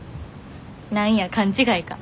何や勘違いか。